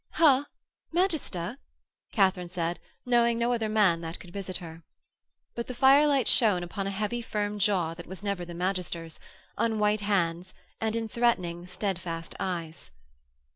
'Ha, magister,' Katharine said, knowing no other man that could visit her. But the firelight shone upon a heavy, firm jaw that was never the magister's, on white hands and in threatening, steadfast eyes.